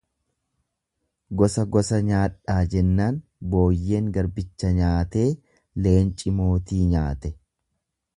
Gosa, gosa nyaadhaa jennaan booyyeen garbicha nyaatee, leenci mootii nyaate.